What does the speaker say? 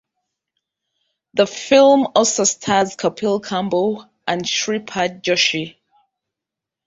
The film also stars Kapil Kamble and Shripad Joshi.